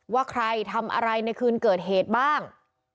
ว่าใครทำอะไรในคืนเกิดเหตุบ้าง